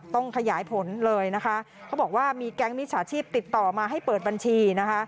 ต้องขยายผลเลยนะคะเขาบอกว่ามีแก๊งมิจฉาชีพติดต่อมาให้เปิดบัญชีนะคะ